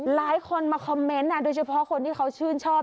หลายคนมาคอมเมนต์โดยเฉพาะคนที่เขาชื่นชอบ